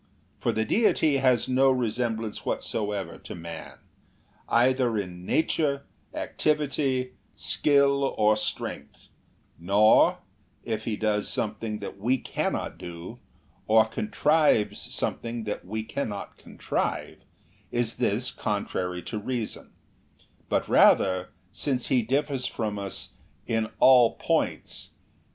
For the Deity has no resemblance whatever to man, either in nature, activity, skill, or strength; nor, if He does something that we cannot do, or contrives some thing that we cannot contrive, is this contrary to reason; but rather, since He differs from us in all 21 VOL.